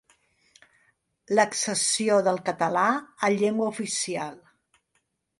L'accessió del català a llengua oficial.